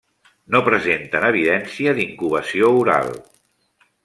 No presenten evidència d'incubació oral.